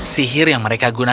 sihir yang mereka gunakan